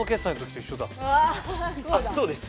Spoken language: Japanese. あっそうです。